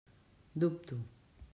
Dubto.